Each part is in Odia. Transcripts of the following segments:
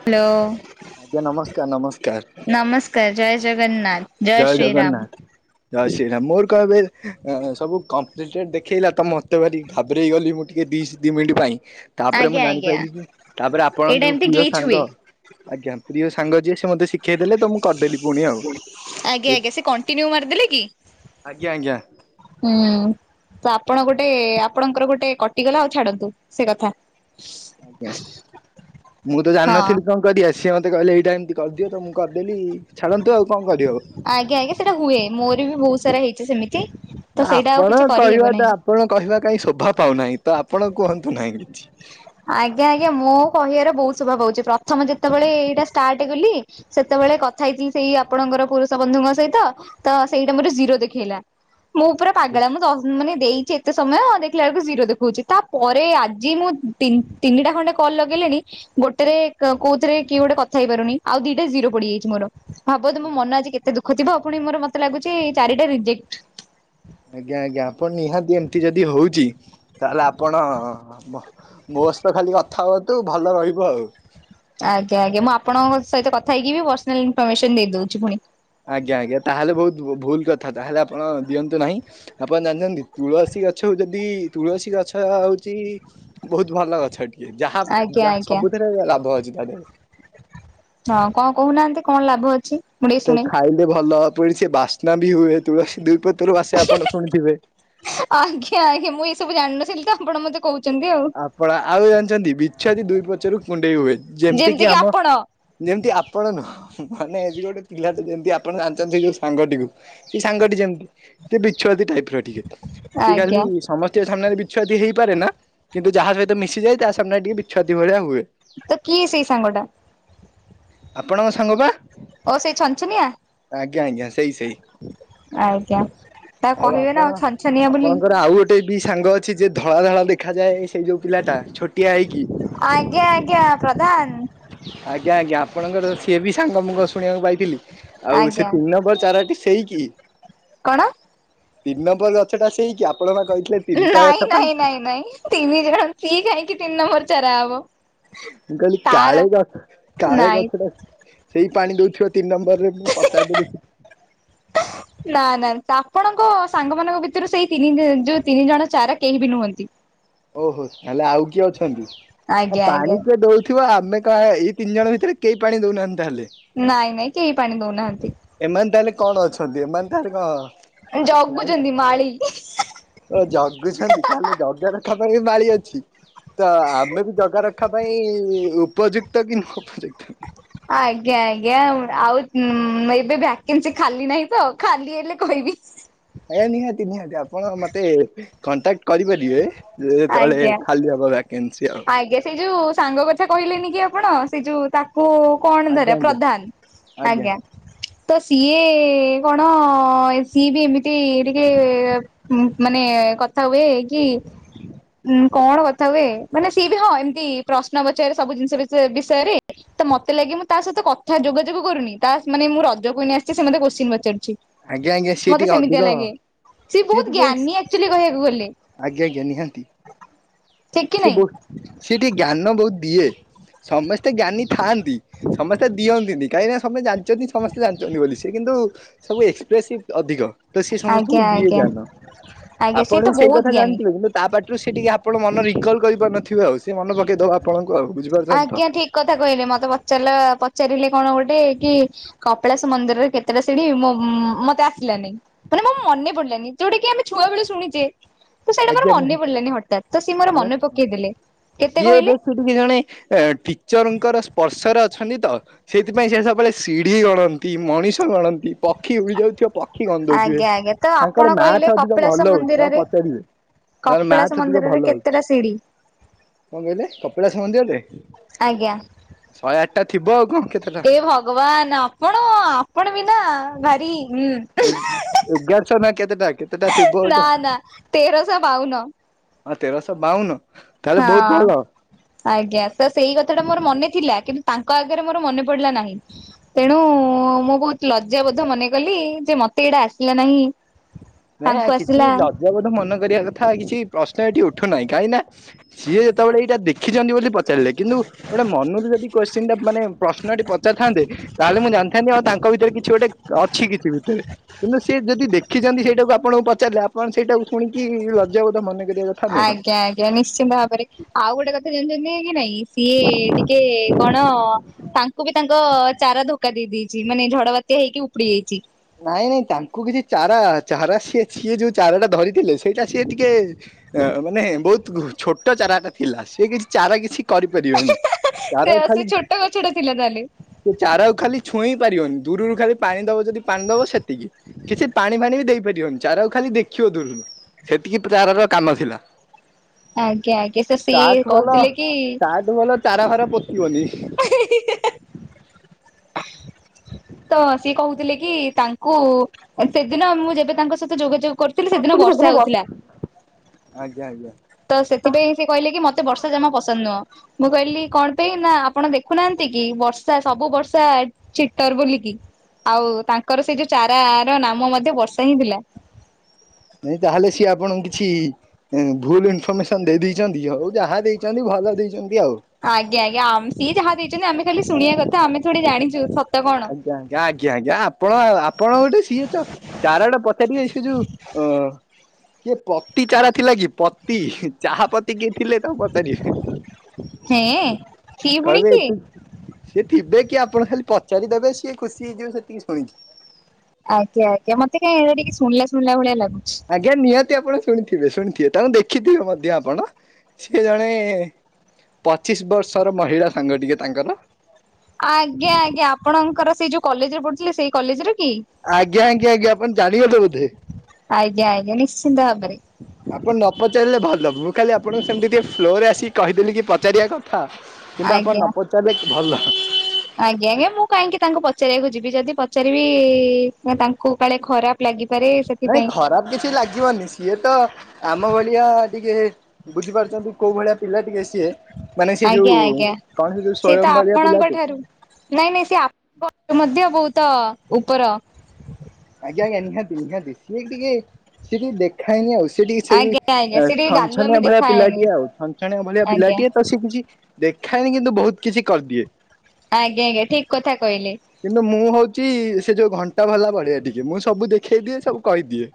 ହ୍ୟାଲୋ ଆଜ୍ଞା ନମସ୍କାର ନମସ୍କାର। ନମସ୍କାର ଜୟ ଜଗନ୍ନାଥ। ଜୟ ଜଗନ୍ନାଥ। ଜୟ ଶ୍ରୀ ରାମ ମୋର କହିବେ ହେଁ ସବୁ କମ୍ପିଲଟେଡ ଦେଖେଇଲା ତ ମତେ ଭାରି ଘାବରେଇ ଗଲି ମୁଁ ଟିକେ ଦି ଶି ଦି ମିନିଟ ପାଇଁ ତାପରେ ମୁଁ ଆଜ୍ଞା ଆଜ୍ଞା ଜାଣିପାରିଲି ଯେ ତାପରେ ଆପଣଙ୍କ ଏଇଟା ଯୋଉ ଏମିତି ପ୍ରିୟ ଗ୍ଲିଚ୍ ହୁଏ ସାଙ୍ଗ ଆଜ୍ଞା ପ୍ରିୟ ସାଙ୍ଗ ଯିଏ ସେ ମୋତେ ଶିଖେଇ ଦେଲେ ତ ମୁଁ କରିଦେଲି ପୁଣି ଆଉ। ଆଜ୍ଞା ଆଜ୍ଞା ସେ କଣ୍ଟିନ୍ୟୁ ମାରିଦେଲେ କି? ଆଜ୍ଞା ଆଜ୍ଞା ହୁଁ ତ ଆପଣ ଗୋଟେ ଆପଣଙ୍କର ଗୋଟେ କଟିଗଲା ଆଉ ଛାଡନ୍ତୁ ସେ କଥା। ଆଜ୍ଞା ମୁଁ ତ ହଁ। ଜାଣିନଥିଲି କରିି ଆସିବ ମତେ କହିଲେ ଏଇଟା ଏମିତି କରିଦିଅ ତ ମୁଁ କରିଦେଲି ଛାଡ଼ନ୍ତୁ ଆଉ କଣ କରିବ? ଆଜ୍ଞା ଆଜ୍ଞା ସେଇଟା ହୁଏ ମୋର ବି ବହୁତ ସାରା ହେଇଛି ସେମିତି। ତ ସେଇଟା ଆଉ ଆପଣ କିଛି କରିହେବ ନାହିଁ କହିବାଟା ଆପଣ କହିବା କାଇଁ ଶୋଭା ପାଉନାହିଁ ତ ଆପଣ କୁହନ୍ତୁ ନାହିଁ କିଛି। ଆଜ୍ଞା ଆଜ୍ଞା ମୁଁ କହିବାର ବହୁତ ସ୍ୱଭାବ ହଉଛି ପ୍ରଥମ ଯେତେବେଳେ ଏଇଟା ଷ୍ଟାର୍ଟ ହେଇଗଲି। ସେତେବେଳେ କଥା ହେଇଥିଲି ସେଇ ଆପଣଙ୍କର ପୁରୁଷ ବନ୍ଧୁଙ୍କ ସହିତ ତ ସେଇଟା ମୋର ଜିରୋ ଦେଖେଇଲା। ମୁଁ ପୁରା ଆଜ୍ଞା ପାଗେଳା ମୁଁ ଦଶ ମାନେ ଦେଇଛି ଏତେ ସମୟ ଦେଖିଲା ବେଳକୁ ଜିରୋ ଦେଖଉଛି ତାପରେ ଆଜି ମୁଁ ତିନିଟା ଖଣ୍ଡେ କଲ୍ ଲଗେଇଲିଣି। ଗୋଟେରେ କୋଉଥିରେ କିଏ ଗୋଟେ କଥା ହେଇପାରୁନି ଆଉ ଦିଟା ଜିରୋ ପଡ଼ିଯାଇଛି ମୋର। ଭାବତୁ ମୋ ମନ ଆଜି କେତେ ଦୁଃଖ ଥିବ ପୁଣି ମୋର ମତେ ଲାଗୁଛି ଚାରିଟା ରିଯେକ୍ଟ। ଆଜ୍ଞା ଆଜ୍ଞା ଆପଣ ନିହାତି ଏମିତି ଯଦି ହଉଛି ତାହେଲେ ଆପଣ ମୋ ସହିତ ଖାଲି କଥା ହୁଅନ୍ତୁ ଭଲ ରହିବ ଆଉ। ଆଜ୍ଞା ଆଜ୍ଞାଁ ଆପଣଙ୍କ ସହିତ କଥା ହେକିବି ପର୍ସନାଲ ଇନଫର୍ମେସନ ଦେଇଦଉଛି ପୁଣି। ଆଜ୍ଞା ଆଜ୍ଞା ତାହେଲେ ବହୁତ ଭୁଲ କଥା ତାହେଲେ ଆପଣ ଦିଅନ୍ତୁ ନାହିଁ। ଆପଣ ଜାଣିଛନ୍ତି ତୁଳସୀ ଗଛ ହଉଛନ୍ତି ତୁଳସୀ ଗଛ ହଉଛି ବହୁତ ଭଲ ଗଛ ଟିକେ ଯାହା ଆଜ୍ଞା ଯାହା ଆଜ୍ଞା। ସବୁଥିରେ ଲାଭ ଅଛି ତା ଦେହରେ। ହଁ କଣ କହୁନାହାନ୍ତି କଣ ଲାଭ ଅଛି? ମୁଁ ଟିକେ ତ ଶୁଣେ ଖାଇଲେ ଭଲ ପୁଣି ସେ ବାସ୍ନା ବି ହୁଏ ତୁଳସୀ ଦୁଇ ପତ୍ରରୁ ବାସେ ଆପଣ ଶୁଣିଥିବେ। ଆଜ୍ଞା ଆଜ୍ଞା ମୁଁ ଏସବୁ ଜାଣିନଥିଲି ତ ଆପଣ ମତେ କହୁ ଆପଣ ଆଉ ଜାଣିଛନ୍ତି ବି୍ଛୁଆତି ଦୁଇ ପଛରୁ କୁଣ୍ଡେଇ ହୁଏ ଯେମିତି କିି ଆମ ଯେମିତି ଆପଣ ନୁହଁ ମାନେ ଏଜି ଗୋଟେ ପିଲା। ଯେମିତି ଆପଣ ଜାଣିଛନ୍ତି ଯୋଉ ସାଙ୍ଗଟିକୁ ସେଇ ସାଙ୍ଗଟି ଯେମିତି ସେ ବିଛୁଆତି ଟାଇପ୍ ର ଟିକେ। ଆଜ୍ଞା [unintelligible] ସମସ୍ତଙ୍କ ସାମ୍ନାରେ ବିଛୁଆତି ହେଇପାରେ ନା। କିନ୍ତୁ ଯାହା ସହିତ ମିଶିଯାଏ ତା ସମ୍ନାରେ ଟିକେ ବିଛୁଆତି ଭଳିଆ ହୁଏ। ତ କିଏ ସେଇ ସାଙ୍ଗ ଟା? ଆପଣଙ୍କ ସାଙ୍ଗ ପା। ଓ ସେଇ ଛନ୍ ଛନିଆ। ଆଜ୍ଞା ଆଜ୍ଞା ସେଇ ସେଇ। ଆଜ୍ଞା ତା ଆଉ କହିବେ ନା ଆପଣ ଛନଛନିଆ ବୋଲି ଆପଣଙ୍କର ଆଉ ଗୋ ଗୋଟେ ବି ସାଙ୍ଗ ଅଛି ଯେ ଧଳା ଧଳା ଦେଖାଯାଏ ସେ ଯଉ ପିଲାଟା ଛୋଟିଆ ହେଇକି ଆଜ୍ଞା! ଆଜ୍ଞା! ପ୍ରଧାନ। ଆଜ୍ଞା! ଆଜ୍ଞା! ଆପଣଙ୍କର ସିଏ ବି ସାଙ୍ଗ ମୁଁ କଣ ଶୁଣିବାକୁ ପାଇଥିଲି। ଆଉ ସେ ଆଜ୍ଞା ମୋ ଚାରା ଟି ସେଇକି? କଣ? ତିନି ନମ୍ବର ଗଛ ଟା ସେଇ କି ଆପଣ ପା କହିଥିଲେ ତିନିଟା ନାଇଁ ଗଛ ନାଇଁ ନାଇଁ ନାଇଁ ତିନି ଜଣ ସିଏ କାହିଁକି ତିନି ନମ୍ବର ଚାରା ହବ? ମୁଁ କହିଲି ତାର କାଳେ ଗ କାଳେ ନାଇଁ ଗଛ ଟା ସେଇ ପାଣି ଦଉ ଥିବ ତିନି ନମ୍ବର ରେ ମୁଁ ପଚାରି ଦେବି ନା ନା ଆପଣଙ୍କ ସାଙ୍ଗ ମାନଙ୍କ ଭିତରୁ ସେଇ ତିନି ଯୋଉ ତିନି ଜଣ ଚାରା କେହି ବି ନୁହଁନ୍ତି। ଓହୋ ତାହେଲେ ଆଉ କିଏ ଅଛନ୍ତି ଆଉ ଆଜ୍ଞା ପାଣି ଆଜ୍ଞା କିଏ ଦଉଥିବ ଆମେ କ ଏଇ ତିନି ଜଣ ଭିତରୁ କେହି ପାଣି ଦଉନାହାନ୍ତି ତାହେଲେ। ନାଇଁ ନାଇଁ କେହି ପାଣି ଦଉନାହାନ୍ତି। ଏମାନେ ତାହେଲେ କଣ ଅଛନ୍ତି ଏମାନେ ତାହେଲେ କଣ? ଜଗୁଛନ୍ତି ମାଳି। ଓ ଜଗୁଛନ୍ତି ତାହେଲେ ଜଗା ଦେଖା ପାଇଁ ବି ମାଳି ଅଛି। ତ ଆମେ ବି ଜଗା ରଖା ପାଇଁ ଉପଯୁକ୍ତ କି ନୁହ ଉପଯୁକ୍ତ। ଆଜ୍ଞା ଆଜ୍ଞା ଆଉ ଏବେ ଭ୍ୟାକେନ୍ସି ଖାଲି ନାହିଁ ତ ଖାଲି ହେଲେ କହିବି। ଆଜ୍ଞା ନିହାତି ନିହାତି ଆପଣ ମତେ କଣ୍ଟାକ୍ଟ କରିପାରିବେ। ଯେତେଳେ ଆଜ୍ଞା ଖାଲି ହବ ଭ୍ୟାକେନ୍ସି ଆଉ। ଆଜ୍ଞା ସେଇ ଯୋଉ ସାଙ୍ଗ କଥା କହିଲେନି କି ଆପଣ ସେ ଯୋଉ ତାକୁ କଣ ଆଜ୍ଞା ଧରିବା ଆଜ୍ଞା ପ୍ରଧାନ ଆଜ୍ଞା। ତ ସିଏ କଣ ସିଏ ବି ଏମିତି ଟିକେ। ହୁଁ, ମାନେ କଥା ହୁଏ କି [inaudible] ଉଁ କଣ କଥା ହୁଏ ମାନେ ସିଏ ବି ହଁ, ଏମତି ପ୍ରଶ୍ନ ପଚାରେ ସବୁ ଜିନିଷ ବିଷୟ ବିଷୟରେ। ତ ମତେ ଲାଗେ ମୁଁ ତା ସହିତ କଥା ଯୋଗାଯୋଗ କରୁନି ତା ମାନେ ମୁଁ ରଜ କୁଇନ୍ ଆସିଛି ସେ ମୋତେ କୋସଚେନ୍ ପଚାରୁଛି। ଆଜ୍ଞା! ଆଜ୍ଞା! ସିଏ ମତେ ଟିକେ ସେମିତିଆ ଅଧିକ ଲାଗେ ସିଏ ବହୁତ କିଟ [unintelligible] ଜ୍ଞାନୀ ଆଜ୍ଞା! ଆକ୍ଚୁଆଲି କହିବାକୁ ଗଲେ ଆଜ୍ଞା! ନିହାତି। ଠିକ କି ସେ ନାଇଁ। ବହୁ ସେ ଟିକେ ଜ୍ଞାନ ବହୁତ ଦିଏ। ସମସ୍ତେ ଜ୍ଞାନି ଥାଆନ୍ତି ସମସ୍ତେ ଦିଅନ୍ତିନି କାହିଁକିନା ସମସ୍ତେ ଜାଣିଛନ୍ତି ସମସ୍ତେ ଜାଣିଛନ୍ତି ବୋଲି ସେ କିନ୍ତୁ ସବୁ ଏକ୍ସପ୍ରେସିଭ ଅଧିକ। ତ ସିଏ ସମସ୍ତଙ୍କୁ ଆଜ୍ଞା ଦିଏ ଆଜ୍ଞା ଜ୍ଞାନ ଆଜ୍ଞା ଆପଣ ସିଏ ତ ବି ସେଇ ବହୁତ କଥା ଜ୍ଞାନୀ। ଜାଣିଥିବେ କିନ୍ତୁ ତା ପାଟିରୁ ସେ ଟିକେ ଆପଣ ମନ ରିକଲ୍ କରିପାରୁନଥିବେ ଆଉ ସେ ମନ ପକେଇଦବ ଆପଣଙ୍କୁ ଆଉ ବୁଝିପାରୁଛନ୍ତି ତ? ଆଜ୍ଞା ଠିକ କଥା କହିଲେ ମତେ ପଚାରିଲା ପଚାରିଲେ କଣ ଗୋଟେ କି କପିଳାସ ମନ୍ଦିରରେ କେତେଟା ସିଢି ମୋ ମତେ ଆସିଲାନି। ମାନେ ମୋ ମନେ ପଡିଲାନି ଯୋଉଟା କି ଆମେ ଛୁଆବେଳେ ଶୁଣିଚେ। ତ ସେଇଟା ମୋର ଆଜ୍ଞା ମନେ ନିହାତି ପଡିଲାନି ହଠାତ୍ ତ ସିଏ ମୋର ମନେ ପକେଇଦେଲେ। କେତେ କହିଲେ? କି ଜଣେ ଟିଚରଙ୍କର ସ୍ପର୍ଶରେ ଅଛନ୍ତି ତ। ସେଇଥିପାଇଁ ସେ ସବୁବେଳେ ସିଢି ଗଣନ୍ତି, ମଣିଷ ଗଣନ୍ତି। ପକ୍ଷୀ ଉଡି ଯାଉଥିବ ପକ୍ଷୀ ଗଣିଦେଉଥିବେ ଆଜ୍ଞା ଆଜ୍ଞା ତ ତାଙ୍କର ଆପଣ କହିଲେ ମ୍ୟାଥ ଅଧିକ କପିଳାସ ଭଲ ହଉଛି ତାଙ୍କୁ ମନ୍ଦିରରେ ପଚାରିବେ? ତାର କପିଳାସ ମ୍ୟାଥ ଟିକେ ମନ୍ଦିରରେ ଭଲ ହଉଛି। କେତେଟା ସିଢି କଣ କହିଲେ କପିଳାସ ମନ୍ଦିରରେ ଆଜ୍ଞା। ଶହେ ଆଠଟା ଥିବ ଆଉ କଣ କେତେ ହେ ଭଗବାନ ଆପଣ ଆପଣ ବି ନା, ଭାରି ଏଗାରଶହ ନା, କେତେଟା କେତେଟା ଥିବ ନା ନା ତେରଶହ ବାଉନ। ହଁ, ତେରଶହ ବାଉନ। ତାହେଲେ ହଁ। ବହୁତ ଭଲ। ଆଜ୍ଞା ତ ସେଇ କଥା ଟା ମୋର ମନେ ଥିଲା କିନ୍ତୁ ତାଙ୍କ ଆଗରେ ମୋର ମନେ ପଡିଲା ନାହିଁ। ତେଣୁ ମୁଁ ବହୁତ ଲଜ୍ଜାବୋଧ ମନେ କଲି ଯେ ମତେ ଏଇଟା ଆସିଲା ନାହିଁ ତାଙ୍କୁ ନାଇଁ କିଛି ଆସିଲା ଲଜ୍ଜାବୋଧ ମନେ କରିବା କଥା କିଛି ପ୍ରଶ୍ନ ଏଠି ଉଠୁନାହିଁ କାହିଁକି ନା ସିଏ ଯେତେବେଳେ ଏଇଟା ଦେଖିଛନ୍ତି ବୋଲି ପଚାରିଲେ କିନ୍ତୁ ଗୋଟେ ମନୁରୁ ଯଦି କୋଶ୍ଚିନ୍ ଟା ମାନେ ପ୍ରଶ୍ନ ଟଟି ପଚାରଥାନ୍ତେ ତାହେଲେ ମୁଁ ଜାଣିଥାନ୍ତି ଆଉ ତାଙ୍କ ଭିତରେ କିଛି ଗୋଟେ ଅଛି କିଛି ଭିତରେ କିନ୍ତୁ ସେ ଯଦି ଦେଖିଛନ୍ତି ସେଇ ସେଇଟାକୁ ଆପଣଙ୍କୁ ପଚାରିଲେ ଆପଣ ସେଇଟାକୁ ଶୁଣିକି ଲଜ୍ଜାବୋଧ ମନେ କରିବା କଥା ନୁହଁ। ଆଜ୍ଞା ଆଜ୍ଞା ନିଶ୍ଚିନ୍ତ ଭାବରେ ଆଉ ଗୋଟେ କଥା ଜାଣିଛନ୍ତି କି ନାଇଁ? ସିଏ ଟିକେ କଣ ତାଙ୍କୁ ବି ତାଙ୍କ ଚାରା ଧୋକା ଦେଇ ଦେଇଛି ମାନେ ଝଡ ବାତ୍ୟା ହେଇକି ଉପୁଡି ଯାଇଛି। ନାଇଁ ନାଇଁ ତାଙ୍କୁ କିଛି ଚାରା ଚାରା ସିଏ ସିଏ ଯୋଉ ଚାରା ଟା ଧରିଥିଲେ ସେଇଟା ସିଏ ଟିକେ ଅ ମାନେ ବହୁତ ଛୋଟ ଚାରାଟା ଥିଲା ସେ କିଛି ଚାରା କିଛି କରିପାରିବେନି ସେ ତାର ସେ ଖାଲି ଛୋଟ ଗଛଟା ଥିଲା ତାହେଲେ ସେ ଚାରାକୁ ଖାଲି ଛୁଇଁ ପାରିବନି ଦୂରୁରୁ ଖାଲି ପାଣି ଦବ ଯଦି ପାଣି ଦବ ସେତିକି କିଛି ପାଣି ଫାଣି ବି ଦେଇପାରିବନି ଚାରକୁ ଖାଲି ଦେଖିବ ଦୂରୁରୁ ସେତିକି [unintelligible] କାମ ଥିଲା। ଆଜ୍ଞା ଆଜ୍ଞା ତ ସିଏ କହୁଥିଲେ କି ତାର ଫାର ପୋତିବନି। [unintelligible] ତ ସିଏ କହୁଥିଲେ କି ତାଙ୍କୁ ସେଦିନ ମୁଁ ଯେବେ ତାଙ୍କ ସହିତ ଯୋଗାଯୋଗ କରୁଥିଲେ ସେଦିନ ବର୍ଷା ହଉଥିଲା। ଆଜ୍ଞା ଆଜ୍ଞା ତ ସେଥିପାଇଁ ସେ କହିଲେ କି ମତେ ବର୍ଷା ଜମା ପସନ୍ଦ ନୁହଁ। ମୁଁ କହିଲି କଣ ପାଇଁ ନା, ଆପଣ ଦେଖୁନାହାନ୍ତି କି ବର୍ଷା ସବୁ ବ ର୍ଷା ଚିଟ୍ଟର ବୋଲିକି ଆଉ ତାଙ୍କର ସେଇ ଯୋଉ ଚାରା ର ନାମ ମଧ୍ୟ ବର୍ଷା ହିଁ ଥିଲା। ନାଇଁ ତାହେଲେ ସିଏ ଆପଣଙ୍କୁ କିଛି ଭୁଲ ଇନଫର୍ମେସନ ଦେଇ ଦେଇଛନ୍ତି ହଉ ଯାହା ଦେଇଛନ୍ତି ଭଲ ଦେଇଛନ୍ତି ଆଉ। ଆଜ୍ଞା ଆଜ୍ଞା ଆମ୍ ସିଏ ଯାହା ଦେଇଚନ୍ତି ଆମେ ଖାଲି ଶୁଣିବା କଥା ଆମେ ଥୋଡ଼ି ଜାଣିଚୁ ସତ କଣ। ଆଜ୍ଞା ଆଜ୍ଞା ଆଜ୍ଞା ଆଜ୍ଞା ଆପଣ ଆପଣ ଗୋଟେ ସିଏ ତ ଚାରଆଡେ ପଚାରିବେ ସିଏ ଯୋଉ ଅଁ କିଏ ପତି ଚାରା ଥିଲା କି ପତି ଚାହା ପତି କିଏ ଥିଲେ ତାଙ୍କୁ ପଚାରିବେ। ହେଁ ସିଏ ପୁଣି କହିବେ କିଏ? ଏ ସିଏ ଥିବେ କି ଆପଣ ଖାଲି ପ ଚାରି ଦେବେ ସିଏ ଖୁସି ହେଇଯିବେ ସେତିକି ଶୁଣିକି। ଆଜ୍ଞା ଆଜ୍ଞା ମତେ କାଇଁ ଏଇଡ଼ା ଟିକେ ଶୁଣିଲା ଶୁଣିଲା ଭଳିଆ ଲାଗୁଛି। ଆଜ୍ଞା ନିହାତି ଆପଣ ଶୁଣିଥିବେ ଶୁଣିଥିବେ ତାଙ୍କୁ ଦେଖିଥିବେ ମଧ୍ୟ ଆପଣ ସିଏ ଜଣେ ପଚିଶ ବର୍ଷର ମହିଳା ସାଙ୍ଗ ଟିକେ ତାଙ୍କର। ଆଜ୍ଞା ଆଜ୍ଞା ଆପଣଙ୍କର ସେଇ ଯୋଉ କଲେଜରେ ପଢୁଥିଲେ ସେଇ କଲେଜର କି। ଆଜ୍ଞା ଆଜ୍ଞା ଆଜ୍ଞା ଆପଣ ଜାଣିଗଲେ ବୋଧେ। ଆଜ୍ଞା ଆଜ୍ଞା ନିଶ୍ଚିନ୍ତ ଭାବରେ ଆପଣ ନ ପଚାରିଲେ ଭଲ ହବ ମୁଁ ଖାଲି ଆପଣଙ୍କୁ ସେମିତି ଟିକେ ଫ୍ଲୋରରେ ଆସିକି କହିଦେଲି କି ପଚାରିବା କ ହଁ କିନ୍ତୁ ଆପଣ ଆଜ୍ଞା ନ ପଚାରିଲେ ଭଲ। ଆଜ୍ଞା ଆଜ୍ଞା ମୁଁ କାହିଁକି ତାଙ୍କୁ ପଚାରିବାକୁ ଯିବି ଯଦି ପଚାରିବି ନା ତାଙ୍କୁ କାଳେ ଖରାପ ଲାଗିପାରେ। ନାଇଁ ସେଥିପାଇଁ ଖରାପ କିଛି ଲାଗିବନି ସିଏ ତ ଆମ ଭଳିଆ ଟିକେ ବୁଝିପାରୁଛନ୍ତି କୋଉ ଭଳିଆ ପିଲା ଟିକେ ସିଏ। ମାନେ ସିଏ ଆଜ୍ଞା ଯୋଉ ଆଜ୍ଞା କଣ ସେ ଯୋଉ ତ ସୋୟମ୍ ଭଳିଆ ଆପଣଙ୍କ ପିଲାଟେ। ଠାରୁ ନାଇଁ ନାଇଁ ସେ ଆପ ମଧ୍ୟ ବୋହୁତ ଉପର। ଆଜ୍ଞା ଆଜ୍ଞା ନିହାତି ନିହାତି ସିଏ ଟିକେ ସିଏ ଟିକେ ଦେଖାଏନି ଆଉ ସିଏ ଟିକେ ସେଇ ଆଜ୍ଞା ଆଜ୍ଞା ଏଁ ସେ ଟିକେ ଗାଲୁଆମି ଛନଛନିଆ ଭଳିଆ ଦେଖାଏନି ପିଲାଟିଏ ଆଉ ଛନଛନଆ ଭଳିଆ ଆଜ୍ଞା ପିଲାଟିଏ ତ ସେ କିଛି ଦେଖାଏନି କିନ୍ତୁ ବୋହୁତ କିଛି କରିଦିଏ। ଆଜ୍ଞା ଆଜ୍ଞା ଠିକ କଥା କହିଲି। କିନ୍ତୁ ମୁଁ ହୋଉଚି ସେ ଯୋଉ ଘଣ୍ଟା ଭଲା ଭଳିଆ ଟିକେ ମୁଁ ସବୁ ଦେଖେଇ ଦିଏ ସବୁ କହିଦିଏ।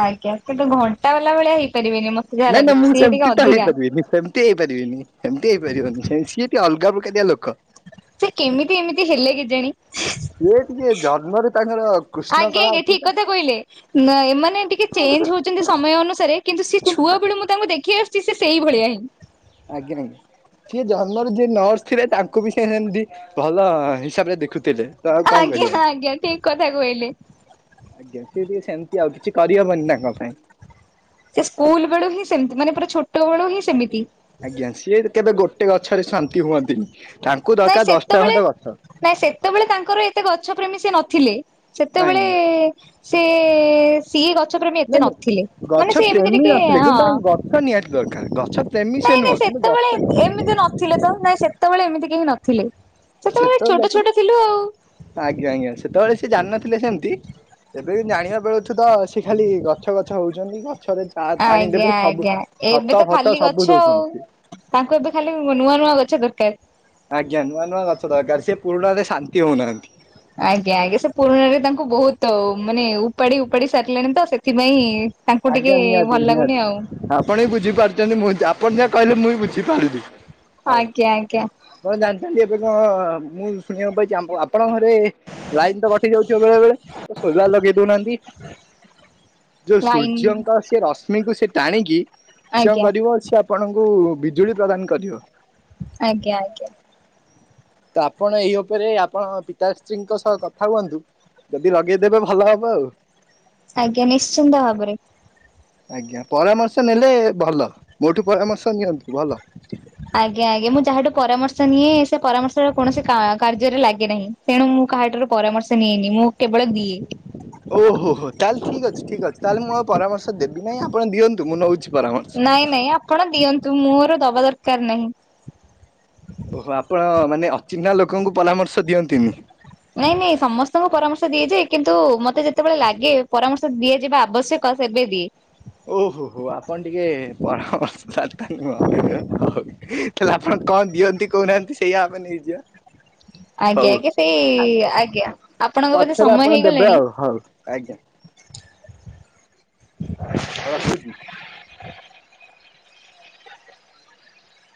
ଆଜ୍ଞା କିନ୍ତୁ ଘଣ୍ଟା ବାଲା ଭଳିଆ ହେଇପାରିବେନି ମ ନାଇଁ ନାଇଁ ମୁଁ ସେମିତି ତ ହେଇପାରିବିନି ସେମ୍ ତି ହେଇପାରିବେନି ଏମିତି ହେଇପାରିବନି ସେ ସିଏ ଟିକେ ଅଲଗା ପ୍ରକାରିଆ ଲୋକ। ସେ କେମିତି ଏମିତି ହେଲେ କେଜାଣି। [inaudible] ଜନ୍ମରୁ ତାଙ୍କର କୃଷ୍ଣ ଆଜ୍ଞା କଳା ଆଜ୍ଞା ଅଛି ଠିକ ତ କଥା କହିଲେ ମାଏ ମାନେ ଟିକେ ଚେଞ୍ଜ ହୋଉଚନ୍ତି ସମୟ ଅନୁସାରେ କିନ୍ତୁ ସେ ଛୁଆ ବେଳୁ ମୁଁ ତାଙ୍କୁ ଦେଖି ଆସୁଛି ସେ ସେଇ ଭଳିଆ ହିଁ। ଆଜ୍ଞା ଆଜ୍ଞା। ସିଏ ଜନ୍ମରୁ ଯିଏ ନର୍ସ ଥିଲେ ତାଙ୍କୁ ବି ସେ ସେମିତି ଭଲ ହିସାବରେ ଦେଖୁ ଆଜ୍ଞା ଆଜ୍ଞା ଠିକ୍ କଥା କହିଲେ। ଆଜ୍ଞା ସିଏ ଟିକେ ସେମିତି ଆଉ କିଛି କରିହବନି ତାଙ୍କ ପାଇଁ। ସେ ସ୍କୁଲ ବେଳୁ ହିଁ ସେମିତି ମାନେ ପୁରା ଛୋଟ ବୋଳୁ ହିଁ ସେମିତି। ଆଜ୍ଞା ସିଏ କେବେ ଗୋଟେ ଗଛରେ ଶାନ୍ତି ହୁଅନ୍ତିନି ତାଙ୍କୁ ନାଇଁ ଦରକାର ଦଶଟା ସେତେବେଳେ ଖଣ୍ଡେ ଗଛ। ନାଇଁ ସେତେବେଳେ ତାଙ୍କର ଏତେ ଗଛ ପ୍ରେମୀ ସେ ନଥିଲେ ନାଇଁ ସେତେବେଳେ ସିଏ ସିଏ ଗଛ ପ୍ରେମୀ ଏତେ ନାଇଁ ନାଇଁ ନଥିଲେ ଗଛ ମାନେ ସେ ଏମିତି ପ୍ରେମୀ ଟିକେ ନଥିଲେ ହଁ। କିନ୍ତୁ ତାଙ୍କୁ ଗଛ ନିହାତି ଦରକାର ଗଛ ପ୍ରେମୀ ସେ ନାଇଁ ନାଇଁ ନୁହଁ କିନ୍ତୁ ଗଛ ସେତେବୋଳେ ଏମିତି ନଥିଲେ ତ ନାଇଁ ସେତୋବୋଳେ ଏମିତି କେହି ନଥିଲେ। ସେତେବେଳେ ସେତୋବୋଳେ ଛୋଟ ଛୋଟ ଥିଲୁ ଆଉ। ନଥିଲେ ଆଜ୍ଞା ଆଜ୍ଞା ସେତୋବୋଳେ ସିଏ ଜାନଥିଲେ ସେମତି। ଏବେ ବି ଜାଣିବା [unintelligible] ଅଛୁ ତ ସିଏ ଖାଲି ଗଛ ଗଛ ହୋଉଛନ୍ତି ଗଛ ଗ ଆଜ୍ଞା ଆଜ୍ଞା ଏବେ ତ ଫତ ଖାଲି ସବୁ ଗଛ ଆଉ। ଦଉଛନ୍ତି ତାଙ୍କୁ ଏବେ ଖାଲି ନୂଆ ନୂଆ ଗଛ ଦରକାର। ଆଜ୍ଞା ନୂଆ ନୂଆ ଗଛ ଦରକାର ସିଏ ପୁରୁଣାରେ ଶାନ୍ତି ହୋଉନାହାନ୍ତି। ଆଜ୍ଞା ଆଜ୍ଞା ସେ ପୁରୁଣାରେ ତାଙ୍କୁ ବୋହୁତୁ ମାନେ ଉପାଡି ଉପାଡି ସାରିଲେଣି ତ ସେଥିପାଇଁ ତାଙ୍କୁ ଟିକେ ଆଜ୍ଞା ନିହାତି ଭଲ ଲାଗୁନି ଆଉ ନିହାତି ଆପଣ ବି ବୁଝିପାରୁଚନ୍ତି ମୁଁ ଯା ଆପଣ ଯାହା କହିଲେ ମୁଁ ବି ବୁଝିପାରିବି। ଆଜ୍ଞା ଆଜ୍ଞା। ପଣ ଜାଣିଛନ୍ତି ଏବେ କଁ ମୁଁ ଶୁଣିବାକୁ ପାଇଚି ଆମ୍ବ ଆପଣଙ୍କ ଘରେ ଲାଇନ୍ ତ କଟି ଯାଉଚି [unintelligible] ସୋଲାର ଲଗେଇ ଦୋଉନାହାନ୍ତି ଯୋଉ ସୂର୍ ଲାଇନ ସେ ରଶ୍ମିକୁ ସେ ଟାଣିକି ସେ କଣ ଆଜ୍ଞା କରିବ ସେ ଆପଣଙ୍କୁ ବିଜୁଳି ପ୍ରଦାନ କରିବ। ଆଜ୍ଞା ଆଜ୍ଞା। ତ ଆପଣ ଏଇ ଉପରେ ଆପଣ ପିତାଶ୍ରୀଙ୍କ ସହ କଥା ହୁଅନ୍ତୁ। ଯଦି ଲଗେଇଦେବେ ଭଲ ହବ ଆଉ। ଆଜ୍ଞା ନିଶ୍ଚିନ୍ତ ଭାବରେ। ଆଜ୍ଞା ପରାମର୍ଶ ନେଲେ ଭଲ। ମୋଠୁ ପରାମର୍ଶ ନିଅନ୍ତୁ ଭଲ। ଆଜ୍ଞା ଆଜ୍ଞା ମୁଁ ଯାହାଠୁ ପରାମର୍ଶ ନିଏ ସେ ପରାମର୍ଶର କୌଣସି କାର୍ଯ୍ୟରେ ଲାଗେ ନାହିଁ। ତେଣୁ ମୁଁ କାହାଠାରୁ ପରାମର୍ଶ ନେଇନି ମୁଁ କେବଳ ଦି ଓହୋ ହୋ ତାହେଲେ ଠିକ ଅଛି ଠିକ ଅଛି ତାହେଲେ ମୁଁ ପରାମର୍ଶ ଦେବି ନାହିଁ ଆପଣ ଦିଅନ୍ତୁ ମୁଁ ନଉଛି। ପରାମର୍ଶ। ନାଇଁ ନାଇଁ ଆପଣ ଦିଅନ୍ତୁ ମୋର ଦବା ଦରକାର ନାହିଁ। ଓହୋ ଆପଣ ମାନେ ଅଚିହ୍ନା ଲୋକଙ୍କୁ ପରାମର୍ଶ ଦିଅନ୍ତିନି। ନାଇଁ ନାଇଁ ସମସ୍ତଙ୍କୁ ପରାମର୍ଶ ଦିଆଯାଏ କିନ୍ତୁ ମତେ ଯେତେବେଳେ ଲାଗେ ପରାମର୍ଶ ଦିଆଯିବା ଆବଶ୍ୟ କ ସେବେ ଦିଏ। ଓହୋ ହୋ ଆପଣ ଟିକେ ପରାମର୍ଶ ଦାତା ନୁହଁ। ହେଲେ ଆପଣ କଣ ଦିଅନ୍ତି କହୁନାହାନ୍ତି ସେଇଆ ଆମେ ନେଇଯିବା। ଆଜ୍ଞା ହଉ ଆଜ୍ଞା ସେଇ ଆଜ୍ଞା ଆପଣଙ୍କ ବୋଧେ ପଛରେ ସମୟ ଆପଣ ଦେବେ ହେଇଗଲାଣି। ଆଉ ହଉ ଆଜ୍ଞା। ରଖୁଛି।